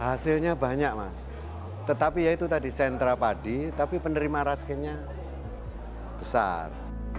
hasilnya banyak mas tetapi ya itu tadi sentra padi tapi penerima raskinnya besar